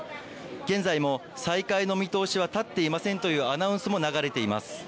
現在も再開の見通しは立っていませんというアナウンスも流れています。